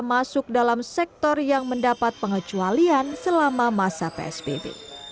masuk dalam sektor yang mendapat pengecualian selama masa psbb